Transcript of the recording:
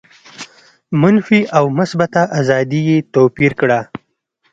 منفي او مثبته آزادي یې توپیر کړه.